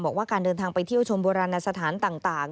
บอกว่าการเดินทางไปเที่ยวชมโบราณสถานต่าง